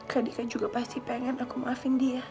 kak dika juga pasti ingin aku maafkan dia